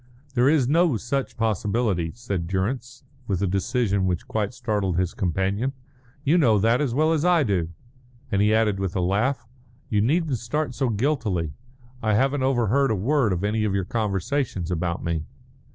"There is no such possibility," said Durrance, with a decision which quite startled his companion. "You know that as well as I do;" and he added with a laugh, "You needn't start so guiltily. I haven't overheard a word of any of your conversations about me."